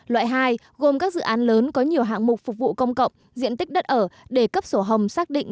loại hai gồm các dự án lớn có nhiều hạng mục phục vụ công cộng diện tích đất ở để cấp sổ hồng xác định